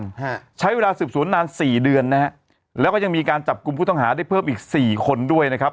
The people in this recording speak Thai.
ฮะใช้เวลาสืบสวนนานสี่เดือนนะฮะแล้วก็ยังมีการจับกลุ่มผู้ต้องหาได้เพิ่มอีกสี่คนด้วยนะครับ